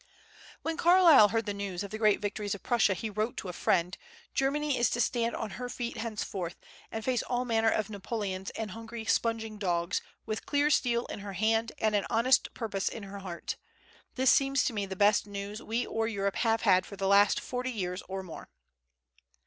When Carlyle heard the news of the great victories of Prussia, he wrote to a friend, "Germany is to stand on her feet henceforth, and face all manner of Napoleons and hungry, sponging dogs, with clear steel in her hand and an honest purpose in her heart. This seems to me the best news we or Europe have heard for the last forty years or more."